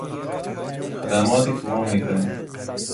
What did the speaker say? خدماتی که ما میکنیم